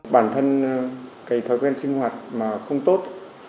bản thân cái thói quen sinh hoạt mà không tốt